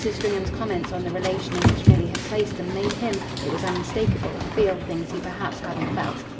Stringham's comments on the relation in which Milly had placed them made him it was unmistakeable feel things he perhaps hadn't felt.